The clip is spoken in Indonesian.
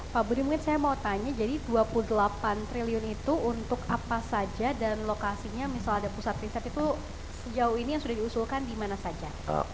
pak budi mungkin saya mau tanya jadi dua puluh delapan triliun itu untuk apa saja dan lokasinya misalnya ada pusat riset itu sejauh ini yang sudah diusulkan di mana saja